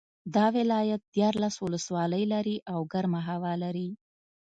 دا ولایت دیارلس ولسوالۍ لري او ګرمه هوا لري